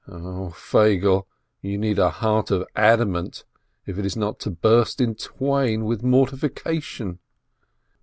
0 Feigele, you need a heart of adamant, if it is not to burst in twain with mortifica tion!